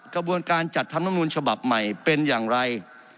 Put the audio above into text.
กระบวนการจัดธนมนุนชมบับใหม่เป็นอย่างไร